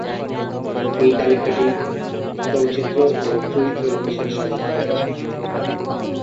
এই তালিকাটি চলচ্চিত্র ও চরিত্র অনুসারে সাজানো হয়েছে।